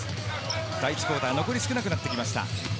第一クオーター、残り少なくなってきました。